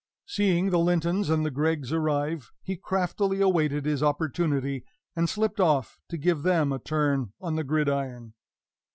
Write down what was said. Seeing the Lintons and the Greggs arrive, he craftily awaited his opportunity, and slipped off, to give them a turn on the gridiron.